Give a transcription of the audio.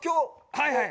はいはい。